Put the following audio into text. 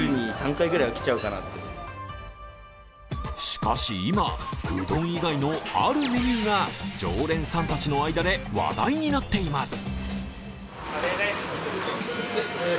しかし今、うどん以外のあるメニューが常連さんたちの間で話題になっています。